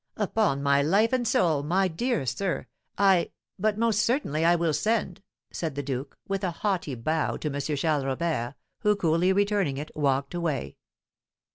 "Upon my life and soul, my dear sir, I but most certainly I will send," said the duke, with a haughty bow to M. Charles Robert, who, coolly returning it, walked away.